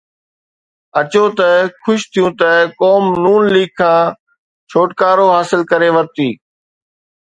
اچو ته خوش ٿيون ته قوم نون ليگ کان ڇوٽڪارو حاصل ڪري ورتي.